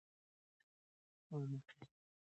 د عامه لارو پر سر کثافات مه غورځوئ.